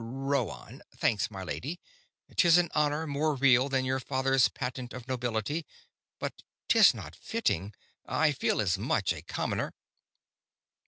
"Rhoann ... Thanks, my lady. 'Tis an honor more real than your father's patent of nobility ... but 'tis not fitting. I feel as much a commoner...."